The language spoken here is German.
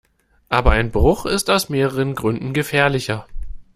Aber ein Bruch ist aus mehreren Gründen gefährlicher.